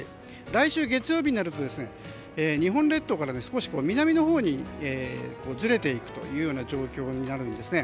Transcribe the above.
来週、月曜日になると日本列島からすこし南のほうにずれていくという状況になるんですね。